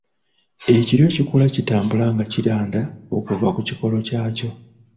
Ekiryo kikula kitambula nga kiranda okuva ku kikolo kyakyo.